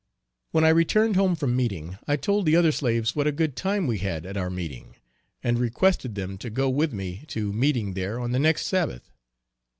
When I returned home from meeting I told the other slaves what a good time we had at our meeting, and requested them to go with me to meeting there on the next Sabbath.